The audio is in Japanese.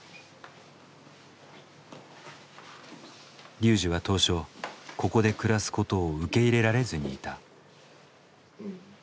ＲＹＵＪＩは当初ここで暮らすことを受け入れられずにいた。